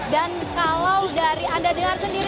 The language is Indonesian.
dan kalau dari anda dengar sendiri